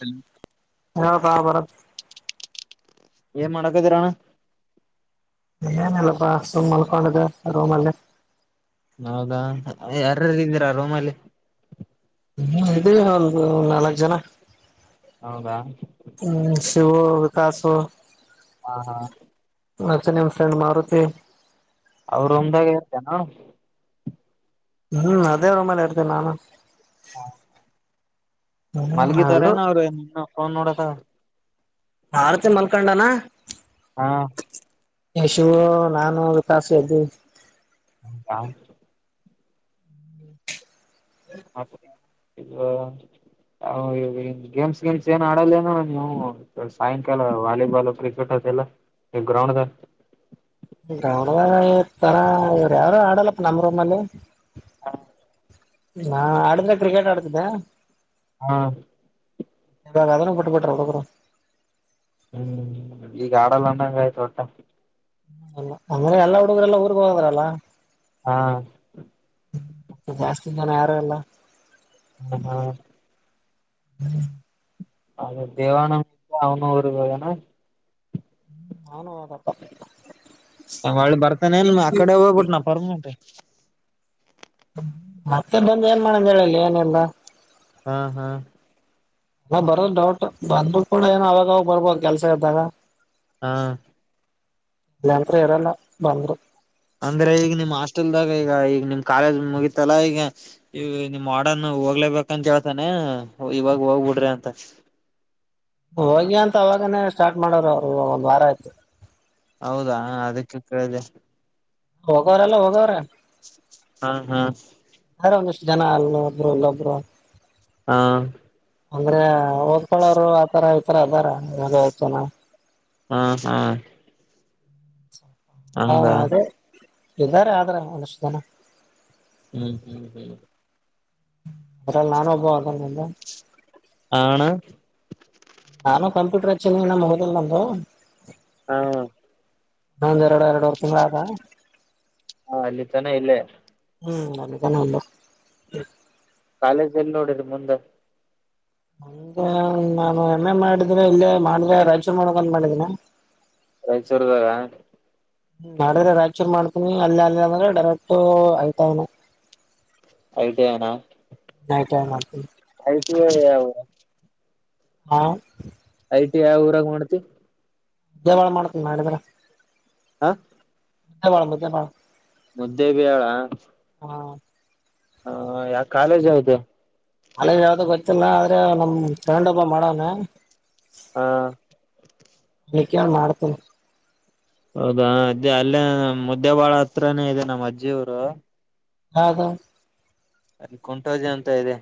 Hello ಯತ ಬರ ಏ ಮಣಕದರಾನ ಏನಲ್ಲಪ್ಪಾ ಸುಮ್ ಮಲ್ಕೊಂಡದ ರೂಮ್ ಅಲ್ಲೇ ಹೌದಾ ಯಾರ್ಯಾರ ಇದಿರಾ ರೂಮಲ್ಲಿ. ಹ್ಮ ಇದಿವಿ ಒಂದು ನಾಲ್ಕ್ ಜನ. ಹೌದಾ ತಿವು ವಿಕಾಸು. ಹಾ ಹಾ ಮತ್ತೆ ನಿಮ್ ಫ್ರೆಂಡ್ ಮಾರುತಿ. ಅವ್ರ ರುಮ್ದಾಗಿದ್ದೆನು. ಹ್ಮ್ ಅದೆ ರುಮಲ್ಲಿ ಆಡ್ದೆ ನಾನು. ಹ್ಮ್ ಎಲ್ರು ಮಲ್ಗಿದಾರೆನ್ ಅವ್ರ ಏನಿನ್ನು ಫೋನ ನೋಡುತರ. ಆರತಿ [unintelligible] ಮಲ್ಕೊಂಡನಾ. ಹಾ ಏ ಶಿವು ನಾನು ವಿಕಾಸ ಎದ್ದಿವಿ. ಹೌ ಹ [unintelligible] ಹ ಇ [unintelligible] ಅವು ಇವು ಏನ್ ಗೇಮ್ಸ್ ಗಿಮ್ಸ್ ಏನ್ ಆಡಲ್ಲೇನು ನೀವು ಸಾಯಂಕಾಲ ವಾಲಿಬಾಲು ಕ್ರಿಕೆಟ್. ಟೆಲ್ಲ ಈ ಗ್ರೌಂಡದಾಗ. ಗ್ರೌಂಡದಗ ತರ ಇವರ್ಯಾರು ಆಡಲ್ಲಪ್ಪ ನಮ್ ರೂಮಲ್ಲಿ. ಹಾ ನಾ ಆಡದ್ರ ಕ್ರಿಕೆಟ್ ಆಡ್ತಿದ್ದ. ಹಾ ರಿ ಇವಾಗ ಅದನ್ ಬಿಟ್ಟ್ ಬಿಟ್ರ ಹುಡುಗೂರು. ಹ್ಮ್ ಈಗ ಆಡಲ್ಲ ಅಂದಂಗ ಆಯ್ತ ಒಟ್ಟ. ಅಲ್ಲ ಅಂದ್ರೆ ಎಲ್ಲಾ ಹುಡುಗುರೆಲ್ಲಾ ಊರ್ಗ ಹೋದ್ರಲ್ಲ. ಹಾ ಜಾಸ್ತಿ ಜನ ಯಾರು ಇಲ್ಲ. ಹ್ಮ ಹ ಹ್ಮ ಅವ ದೇವಾನಂದ ಇದ್ದ ಅವನು ಊರ್ಗ ಹೋಗ್ಯಾನ. ಹ್ಮ್ ಅವ್ನು ಹೊದಪ್ಪ. ಹೊಳ್ಳ ಬರ್ತಾನೇನ್ ಆಕಡೆ ಹೋಗ್ಬಿಟ್ನ ಪರ್ಮನೆಂಟ್. ಮತ್ತೆ ಬಂದ ಏನ್ ಮಾಡಂದ ಹೇಳಲ್ಲಿ ಏನಿಲ್ಲ. ಹಾ ಹಾ ಅ [unintelligible] ಬರೋದ ಡೌಟು ಬಂದುರ ಕೂಡ ಏನ ಅವಾಗವಾಗ ಬರ್ಬೋದ ಕೆಲ್ಸ ಇದ್ದಾಗ. ಹಾ ಇಲ್ಲಂತ್ರು ಇರಲ್ಲ ಬಂದ್ರು. ಅಂದ್ರೆ ಈಗ ನಿಮ್ ಹಾಸ್ಟೆಲ್ದಾಗ ಈಗ ಈಗ ನಿಮ್ ಕಾಲೇಜ್ ಮುಗಿತಲ್ಲಾ ಈಗ ಈಗ ನಿಮ್ ವಾಡನು. ಹೋಗ್ಲೇಬೇಕಂತ ಹೇಳ್ತಾನೆ ಹೋ ಇವಾಗ ಹೋಗ್ಬಿಡ್ರಿ ಅಂತ. ಹೋಗಿ ಅಂತ ಅವಾಗನೇ ಸ್ಟಾರ್ಟ್ ಮಾಡ್ಯರ ಅವ್ರು ಒಂದ್ ವಾರ ಆಯ್ತು. ಹೌದಾ ಅದಕ್ಕೆ ಕೇಳ್ದೆ. ಹೋಗೋರೆಲ್ಲ ಹೋಗ್ಯಾರ ಹಾ ಹಾ ಹಾರ ಒಂದಿಸ್ ಜನ ಅಲ್ಲೊಬ್ರು ಇಲ್ಲೊಬ್ರು. ಹಾ ಅಂದ್ರೆ ಓದ್ಕಳೋರು ಆತರ ಈತರ ಇದಾರ ಒಂದ್ ಐಜನ. ಹಾ ಹಾ ಹಾ ಹಂಗ ಅದೇ ಇದ್ದಾರ ಆದ್ರ ಒಂದಷ್ಟಜನ. ಹ್ಮ್ ಹ್ಮ್ ಹ್ಮ್ ಅದ್ರಲ್ಲಿ ನಾನೊಬ್ಬ [unintelligible] ಆಂದ ಆಣ ನಾನು ಕಂಪ್ಯೂಟರ್ ಹಚ್ಚಿನಿ ಹೀನ ಮುಗದಿಲ್ಲ ನಂದು. ಹಾ ಒಂದ್ ಎರಡು ಎರಡುುವರ್ ತಿಂಗಳ ಅತ. ಹ ಅಲ್ಲಿ ತನ ಇಲ್ಲೇ ಹ್ಞೂ ಅನಕನೆ ವಲ್ಲೊ. ಕಾಲೇಜ್ ಎಲ್ಲಿ ನೋಡಿದ್ ಮುಂದೆ. ಮುಂದೆ ನಾನು ಎಂ ಎ ಮಾಡಿದ್ರೆ ಇಲ್ಲೇ ಮಾಡಿದ್ರೆ ರಾಯಚೂರು ಮಾಡ್ಬೇಕಂತ ಮಾಡಿದೀನ. ರಾಯಚೂರ್ದಾಗ. ಹ್ಮ ಮಾಡಿದ್ರೆ ರಾಯಚೂರ್ ಮಾಡ್ತೀನಿ ಅಲ್ಲಿ ಅಲ್ಲಿ ಅಂದ್ರೆ ಡೈರೆಕ್ಟ್ ಐ್ತವ್ನ. ಐ ಟಿ ಐ ನಾ ಐ ಟಿ ಐ ಮಾಡ್ತೀನಿ. ಐ ಟಿ ಯಾ ಹಾ ಐ ಟಿ ಐ ಯಾವ ಊರಾಗ ಮಾಡ್ತಿ. ದೇವಳ ಮಾಡ್ತೇನ ಮಾಡಿದ್ರಾ. ಹಾ [unintelligible] ಮಾಡ ಮತ್ತೆ ಮಾಡ. ಮುದ್ದೆ ಬಿಹಾಳ. ಹಾ ಹ ಯಾ ಕಾಲೇಜ್ ಯಾವ್ದು. ಅಲ್ಲೇ ಯಾವ್ದು ಗೊತ್ತಿಲ್ಲ ಆದ್ರೆ ನಮ್ ಫ್ರೆಂಡ್ ಒಬ್ಬ ಮಾಡವ್ನೆ. ಹಾ ಈಗ ಕೇಳ್ ಮಾಡ್ತೀನಿ. ಹೌದಾ ಅದ್ದ ಅಲ್ಲೇ ಮುದ್ದೆ ಬಾಳ ಹತ್ರನೇ ಇದೆ ನಮ್ಮ್ ಅಜ್ಜಿ ಊರು. ಹೌದ. ಅಲ್ಲಿ ಕುಂಟೋಜ ಅಂತ ಇದೆ.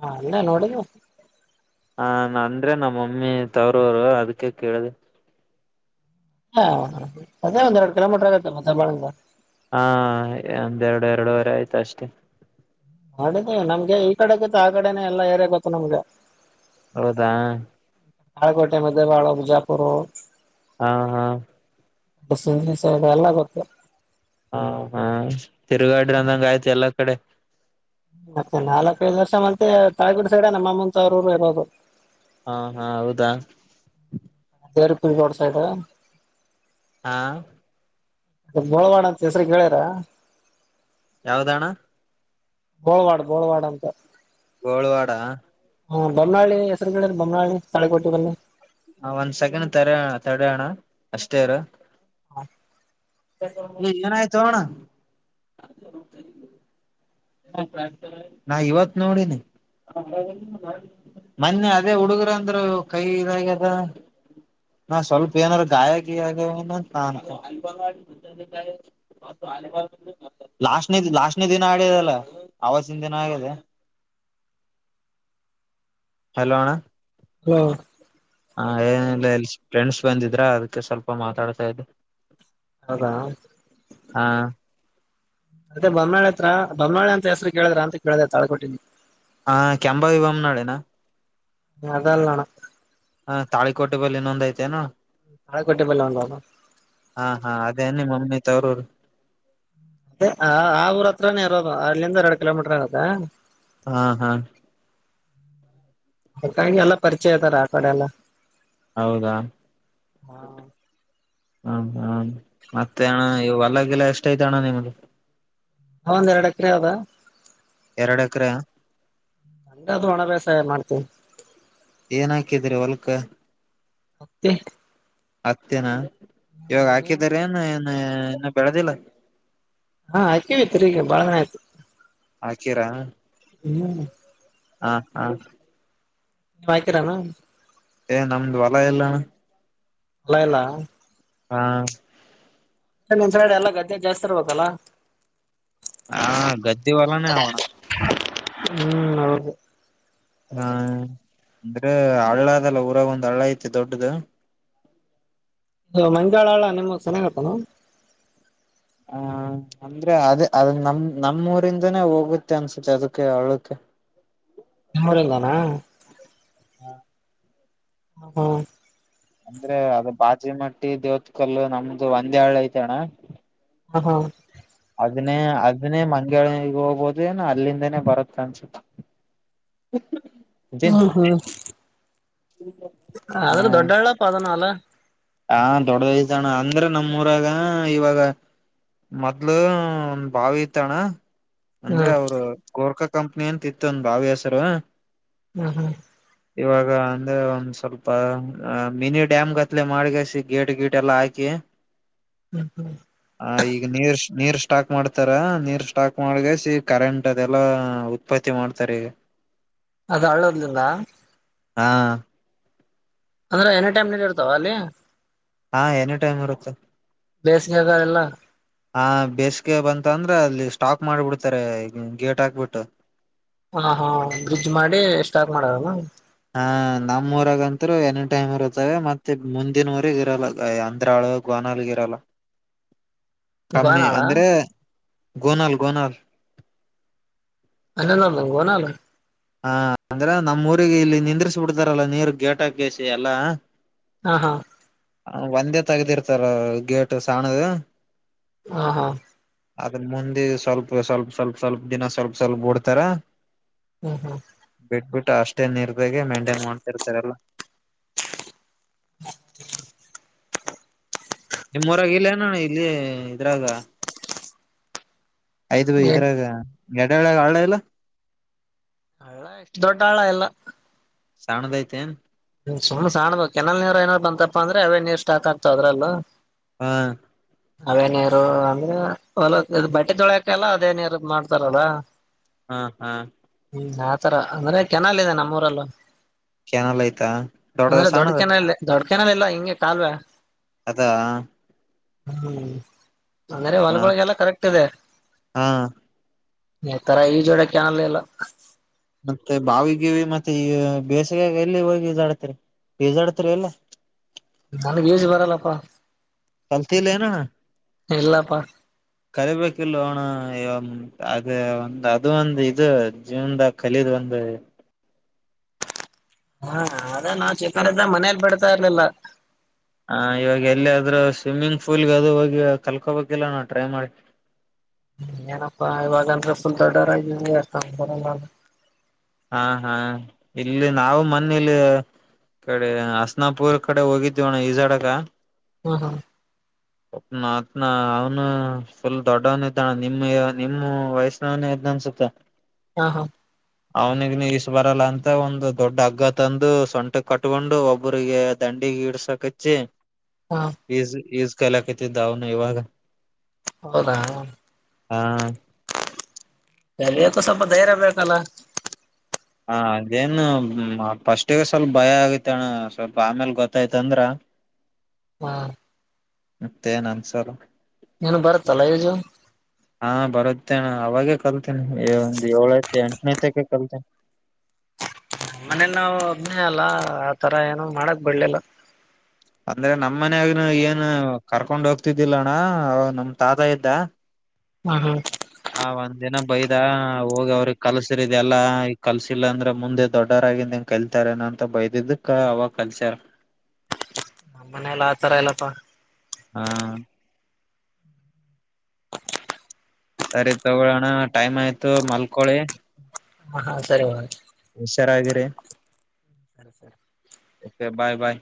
ಹಾ ಅಲ್ಲೆ ನೋಡಿನಿ. ಹ ಅಂದ್ರೆ ನಮ್ಮ ಮಮ್ಮಿ ತವ್ರರೂರು ಅದಕ್ಕೆ ಕೇಳ್ದೆ. ಅಲ್ಲ ಹಾ ಅದೇ ಒಂದ ಎರಡ್ ಕಿಲೋಮೀಟರ್ ಆಗುತ್ತೆ ಮುದ್ದೆ ಬಾಳಿಂದ. ಹಾ ಒಂದೆರಡು ಎರಡುವರೆ ಆಯ್ತು ಅಷ್ಟೇ. ನೋಡಿದ್ದೆ ನಮ್ಗೆ ಈ ಕಡೆ ಗಿತ್ತ ಆ ಕಡೆನೆ ಎಲ್ಲಾ ಏರ್ಯ ಗೊತ್ತು ನಮ್ಗೆ. ಹೌದಾ ದೇವಾಳ ಬಿಜಾಪುರು. ಹಾ ಹಾ [unintelligible] ಎಲ್ಲ ಗೊತ್ತ ಹಾ ಹಾ ತಿರುಗಾಡ್ರ ಅಂದಂಗ ಆಯ್ತು ಎಲ್ಲಾ ಕಡೆ. ಮತ್ತೆ ನಾಲ್ಕೈದು ವರ್ಷ ಮತ್ತೆ ತಯ್ ಗುಡು ಸೈಡೆ ನಮ್ಮಮ್ಮನ ತವರೂರು ಇರೋದು. ಹಾ ಹಾ ಹೌದಾ. ದೇರ್ಪುರಿಗೋಡ್ ಸೈಡ್. ಹಾ ಬೋಳವಾಡ ಅಂತ ಹೆಸ್ರು ಹೇಳ್ಯೀರ. ಯಾವ್ದಣ್ಣ ಬೋಳ್ವಾಡ್ ಬೋಳ್ವಾಡ್ ಅಂತ. ಗೋಳ್ವಾಡ. ಹಾ ಬಮ್ಮನಳ್ಳಿ ಹೆಸರುಗಡೆ ಬೋಮ್ನಾಳ್ಳಿ ತಾಳೆ ಕೊಟೆದಲ್ಲಿ. ಹ ಒಂದ್ ಸೆಕೆಂಡ್ ತೆರಣ ತೆಡೋಣ ಅಷ್ಟೇರು. ಹಾ ಏನ್ ಆಯ್ತೋಣ. ನಾ ಇವತ್ ನೋಡಿನಿ. ಮೊನ್ನೆ ಅದೇ ಹುಡುಗರ ಅಂದ್ರರು ಕೈ ಇದಾಗದ. ನಾ ಸ್ವಲ್ಪ ಏನಾರು ಗಾಯಗೀಯ ಆಗವೆನ ಅಂತ ನಾನ. ಲಾಸ್ನೇದ್ ಲಾಸ್ನೇ ದಿನ ಆಡ್ಯದಲ್ಲ ಆವಾಸಿನ ದಿನ ಆಗ್ಯೆದ. ಹಲೋಣ್ಣ. ಹಲೋ ಹಾ ಏನಿಲ್ಲ ಇ ಫ್ರೆಂಡ್ಸ್ ಬಂದಿದ್ರ ಅದಕ್ಕೆ ಸ್ವಲ್ಪ ಮಾತಾಡ್ತಾ ಇದ್ದೆ ಹೌದಾ ಹ ಮತ್ತೆ ಬಮನಾಾಳಿ ಹತ್ರ ಬಮನಾಾಳಿ ಅಂತ ಹೆಸರು ಕೇಳಿದ್ರ ಅಂತ ಕೇಳಿದ್ದೆ ತಾಳ್ಕ ಕೊಟ್ಟಿನನಿ ಹಾ ಕೆಂಬ ವಿವಮ್ ನಾಳೆನಾ ಅದಲ್ಲಣ ಹ ತಾಳಿಕೋಟೆ ಬಳ ಇನ್ನೊಂದ್ ಐತೆೇನ ತಾಳಿಕೋಟಿ ಬಲ್ಲಿ ಒಂದು ಅದು ಹಾ ಹಾ ಅದೇ ಅನ ಮಮ್ಮಮ್ಮಿ ತರರ ಅತ್ತೇ ಆ ಊರ ಹತ್ರಾನೇ ಇರೋದು ಅರ್ಲ್ಲಿಂದ ಎರಡು ಕಿಲೋಮೀಟರ್ ಆಗದ ಹಾ ಹಾ ಕಿ ಎಲ್ಲಾ ಪರಿಚಯ ಆಐತಾರ ಆ ಕಡೆ ಎಲ್ಲ ಹೌದಾ ಹ ಹ ಮತ್ತೆಣ ನೀವು ಹೊಲ್ಲಗೆಲ್ಲ ಎಷ್ಟ ಐತ ಅಣ್ಣ ನಿಮದು ಹ ಒಂದ್ ಎರಡು ಎಕರೆ ಯಾವದ ಎರಡಕ್ರ ನಂದಾದೂ ಒಣ ವ್ಯಾಸಾಯ ಮಾಡ್ತೀವಿ ಏನ ಹಾಕಿದಿರಿ ವಲ್ಕ ಮೆ ಹತ್ತಿನ ಇವಾಗ ಹಾಕಿದಾರ ಏನು ಏನ್ ಇನ್ನು ಬೆಳೆದಿಲ್ಲ ಹಾ ಹಾಕ್ಕತೀಗ ಬಾಳ ಆಯ್ತು ಹಾಕೀರಾ ಹ್ಮ್ ಹಾ ಹಾ ನೀ ವಾಯಕರಾನ ಏ ನಮ್ದು ಹೊಲ ಎಲ್ಲಣ ಹೊಲ್ಲಾ ಇಲ್ಲ ಹಾ ಮುಂಸಡೆ ಎಲ್ಲ ಗದ್ದೆ ಜಾಸ್ತಿ ಇರ್ಬೇಕಲ್ಲ ಹಾ ಗದ್ದ ವಲ್ಲಾನ ಆಣ ಹ್ಮ್ ಹೌದು ಹಾ ಅಂದ್ರೆ ಹಳ್ಳ ಅದಲ್ಲ ಊರಾಗ ಒಂದ್ ಹಳ್ಳ ಐತಿ ದೊಡ್ಡದು ಇದು ಮಂಜಾಳಳ ನಿಮಗ್ ಚೆನ್ನಾಗಪ್ಪನು ಹ ಅಂದ್ರೆ ಅದ ಅದ ನಮ ನಮ್ಮ್ ಊರಿಂದನೇ ಹೋಗುತ್ತೆ ಅನ್ಸುತ್ತೆ ಅದಕ್ಕೆ ಅವಳಕ್ಕೆ ನರಲ್ಲಾನ ಹ ಹ ಅಂದ್ರೆ ಅದು ಬಾಜಿಮಟ್ಟಿ ದೇವತ್ ಕಲ್ಲು ನಮ್ದು ಒಂದೇ ಹಳು ಐತೆಣ್ಣ ಹ ಹಾ ಅದನೇ ಅದನೇ ಮಂಗ್ಯಾಗಳಿಗೆ ಹೋಗಬೋದು ಏನ ಅಲ್ಲಿಂದನನೆ ಬರತ್ತ ಅನ್ಸುತ್ತ ಹ ಹ್ಮ ಹಾ ಹ ಆದ್ರೂ ದೊಡ್ಡಳ್ಳಪ್ಪ ಅದನ ಅಲ್ಲ ಹಾ ದೊಡ್ಡದ ವಯಸಾಣ ಅಂದ್ರೆ ನಮ್ಮೂಊರಾಗ ಇವಾಗ ಮೊದ್ಲು ಒಂದ ಭಾವಿ ಇತಣ್ಣ ಅಂದ್ರೆ ಹ್ಮ್ ಅವರು ಗೋರ್ಕಾ ಕಂಪ್ನಿ ಅಂತ ಇತ್ತು ಒಂದ ಬಾವಿ ಹೆಸರು ಹ್ಮ ಹ್ಮ ಇವಾಗ ಅಂದ್ರೆ ಒಂದ್ ಸ್ವಲ್ಪ ಮಿನಿ ಡ್ಯಾಮ್ ಗತ್ಲೆ ಮಾಡಿ ಗೇಟ್ ಗೇಟ್ ಎಲ್ಲ ಹಾಕಿ ಹ್ಮ್ ಹ್ಮ್ ಆ ಈಗ ನೀರ್ ನೀರ್ ಸ್ಟಾಕ್ ಮಾಡ್ತಾರ ನೀರ್ ಸ್ಟಾಕ್ ಮಾಡಗ ಸಿ ಕರೆಂಟ್ ಅದೆಲ್ಲಾ ಉತ್ಪತ್ತಿ ಮಾಡ್ತಾರ ಈಗ ಅದು ಹಳ್ಳೂರ್ಲಿಂದ ಹಾ ಅಂದ್ರೆ ಎನಿ ಟೈಮ್ ನಿಲ್ಲಿ ಇರ್ತಾವ ಅಲ್ಲಿ ಹಾ ಎನಿ ಟೈಮ್ ಇರುತ್ತೆ [unintelligible] ಎಲ್ಲ ಹಾ ಬೇಸಿಗೆ ಬಂತ ಅಂದ್ರೆ ಅಲ್ಲಿ ಸ್ಟಾಕ್ ಮಾಡ್ಬಿಡ್ತಾರೆ ಗೇಟ್ ಹಾಕ್ಬಿಟ್ಟು ಹಾ ಹಾ ಬ್ರಿಡ್ಜ್ ಮಾಡಿ ಸ್ಟಾರ್ಟ್ ಮಾಡೋದಲ್ಲ ಹ ನಮ್ಮ್ಊರಾಗಂತರು ಎನಿ ಟೈಮ್ ಇರುತ್ತವೆ ಮತ್ತೆ ಮುಂದಿನ ಊರಿಗ್ ಇರಲ್ಲ ಅಂದ್ರ [unintelligible] ನಲ್ಗಿರಲ್ಲ [inaudible] ಕಮ್ಮಿ ಗೋನಾಳ ಅಂದ್ರೆ ಗೋನಾಲ್ ಗೋನಾಲ್ ಅಲ್ಲಂದ [unintelligible] ಗೋನಲ್ ಹಾ ಅಂದ್ರ ನಮ್ಮ್ ಊರಿಗೆ ಇಲ್ಲಿ ನಿಂದ್ರಿಸಿ ಬಿಡ್ತಾರಲ್ಲ ನೀರು ಗೇಟಾಕಸಿ ಎಲ್ಲಾ ಹಾ ಹಾ ಹ ಒಂದೇ ತಗದಿರ್ತಾರ ಗೇಟ್ ಸಣ್ಣದು ಹಾ ಹಾ ಅದ್ರ ಮುಂದೆ ಸ್ವಲ್ಪ ಸ್ವಲ್ಪ ಸ್ವಲ್ಪ ಸ್ವಲ್ಪ ದಿನ ಸ್ವಲ್ಪ ಸ್ವಲ್ಪ ಬಿಡ್ತಾರ ಹ್ಮ್ ಹ್ಮ್ ಬಿಟ್ಬಿಟ್ಟು ಅಷ್ಟೇ ನಿರ್ಧಗೆ ಮೇಂಟೈನ್ ಮಾಡ್ತಿರ್ತಾರೆಲ್ಲ ಹ [unintelligible] ನಿಮ್ಮೂರಾಗ ಇಲ್ಲೇನು ಇಲ್ಲಿ ಇದ್ರಾಗ ಆಯ್ದು ಏನ್ ಇದ್ರಾಗ ಗಡ್ಡೆಳಾಗ ಆಳ ಇಲ್ಲ ಹಳ್ಳ ಎಷ್ಟು ದೊಡ್ಡ ಹಾಳ ಇಲ್ಲ ಸಾಣದಐತೆ ಏನ್ [unintelligible] ಕೆರೆ ನೀರ ಏನಾರ್ ಬಂತಪ್ಪ ಅಂದ್ರೆ ಅವೇ ನೀರು ಸ್ಟಾಕ್ ಆಗ್ತಾವ ಅದ್ರಲ್ಲೂ ಹಾ ಅವೇ ನೀರು ಅಂದ್ರೆ ಹೊ [unintelligible] ಬಟ್ಟೆ ತೊಳೆಕೆಲ್ಲ ಅದೇ ನೀರು ಮಾಡ್ತಾರೋದ ಹಾ ಹಾ ಆತರ ಅಂದ್ರೆ ಕೆನಲ್ಲಿದೆ ನಮ್ಮೂರಲ್ಲೂ ಕೆನಲ್ಲ ಆಯ್ತಿ ಅಂದ್ರೆ ದೊಡ್ ಕೆನಾಲ್ ದೊಡ್ಡಕೆನಾಲ್ ಇಲ್ಲಾ ಹಿಂಗೆ ಕಾಲುವೆ ಅದಾ ಹ್ಮ್ ಅಂದ್ರೆ ಹ ಹೊಲ್ಗಳೊಗೆಲ್ಲ ಕರೆಕ್ಟ್ ಇದೆ ಹಾ ಈ ತರ ಈಜೋಡ ಕೆನಾಲಿಲ್ಲ ಇಲ್ಲ ಮತ್ತೆ ಬಾವಿ ಗಿವಿ ಮತ್ತೆ ಈ ಬೇಸಿಗೆಯ ಎಲ್ಲಿ ಹೋಗಿದಳ ಆಕಿ ಈಜಾಡ್ತೀರ ಇಲ್ಲ ನನ್ಗ್ ಈಜ್ಜು ಬರಲ್ಲಪ್ಪಾ ಕಲ್ತಿಲೇನು ಇಲ್ಲಪ್ಪಾ ಕಲಿಬೇಕಲ್ಲೊ [unintelligible] ಅದ ಒಂದು ಅದು ಒಂದು ಇದು ಜೀವನದಾಗ ಕಲೀದ್ ಒಂದು ಹಾ ಆದ ನಾ ಚಿಕ್ಕವನಿದ್ದಾಗ ಮನೇಲಿ ಬಿಡ್ತಾ ಇರ್ಲಿಲ್ಲ ಹ ಇವಾಗ ಎಲ್ಲಿದ್ರೂ ಸ್ವಿಮ್ಮಿಂಗ್ ಪೂಲ್ಗೆ ಅದು ಹೋಗಿ ಕಲ್ಕೋಬೇಕಿಲ್ಲ ನಾವು ಟ್ರೈ ಮಾಡಿ ಏನಪ್ಪ ಇವಾಗ ಅಂದ್ರಫುಲ್ ದೊಡ್ಡೊವ್ರಗಿವಿ ಅಷ್ಟೊಂದು [unintelligible] ಹಾ ಹಾ ಇಲ್ಲಿ ನಾವು ಮನೇಲಿ ಕಡೆ ಹಸ್ನಾಪುರ್ ಕಡೆ ಹೋಗಿದ್ವಣ ಈಜಾಡಕ ಹ್ಮ ಹ್ಮ ಮತ್ನಾ ಅವ್ನು ಫುಲ್ ದೊಡ್ಡವನ ಇದ್ದಾ ನಿಮ್ಮ ನಿಮ್ಮ ವಯಸ್ಸನವನ ಇದ್ನ [unintelligible] ತ ಹಾ ಹಾ ಅವನಿಗ್ ನೀ ಇಸ್ ಬರಲ್ಲ ಅಂತ ಒಂದು ದೊಡ್ಡ ಹಗ್ಗ ತಂದು ಸೊಂಟ ಕಟ್ಕೊಂಡು ಒಬ್ಬರಿಗೆ ದಂಡ [unintelligible] ಗಿಡ್ಸಕಚ್ಚಿ ಹಾ ಈಜ್ ಈಜು ಕಾಲಿಕಾತಿದ್ದ ಅವ್ನು ಇವಾಗ ಹೌದಾ ಹಾ ಕಲಿಯೋಕ್ಕು ಸ್ವಲ್ಪ ಧೈರ್ಯ ಬೇಕಲ್ಲ ಹ ಅದೇನು ಪಫಸ್ಟಿಗೆ ಸ್ವಲ್ಪ ಭಯ ಆಗೈತಣ್ಣ ಸ್ವಲ್ಪ ಆಮೇಲ್ ಗೊತ್ತಾಯ್ತಂದ್ರ ಹಾ ಮತ್ತೆ ಏನ ಅನ್ಸಾರ ನೀನು ಬರತ್ತಲ್ಲಾ ಯಜು ಹಾ ಬರುತ್ತೇನೆ ಅವಾಗೇ ಕಲ್ತೀನೆಿ ಒಂದ್ ಏಳೈ ಎಂಟನೇ ತಕ ಕಲ್ತೇನಿ ಮನೇಲಿ ನಾವು ಒಭ್ನಯ ಅಲ್ಲ ಆತರ ಏನು ಮಾಡಕ್ ಬಿಡ್ಲಿಲ್ಲ ಅಂದ್ರೆ ನಮ್ ಮನಾಗನು ಏನು ಕರ್ಕೊಂಡ್ ಹೋಗ್ತಿದ್ದಿಲ್ಲಣ್ಣ ಅವ ನಮ ತಾತ ಇದ್ದ ಹ್ಮ ಹ್ಮ ಹ ಒಂದ್ ದಿನ ಬೈದ ಹೋಗಿ ಅವ್ರಿಗೆ ಕಲ್ಸರಿದ ಎಲ್ಲಾ ಈ ಕಲ್ಸಿಲ್ಲ ಅಂದ್ರೆ ಮುಂದೆ ದೊಡ್ಡರ ಗಿ ಕಲ್ತಾರಏನ ಅಂತ ಬೈದಿದ್ದಕ್ಕ ಅವಾಗ ಕಲ್ಸಾರ ನಮ್ಮ ಮನೆಯಲ್ಲ ಆ ತರ ಇಲ್ಲಪ್ಪಾ ಹಾ ಸರಿ ತಗೋಳೋಣ ಟೈಮ್ ಆಯ್ತು ಮಲ್ಕೋಳಿ ಹಾ ಹಾ ಸರಿ ಚರಾಗಿರಿ ಸರಿ ಸರಿ ಓಕೆ ಬಾಯ್ ಬಾಯ್